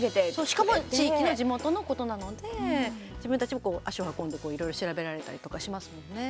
しかも地域の地元のことなので自分たちも足を運んで、いろいろ調べられたりとかしますもんね。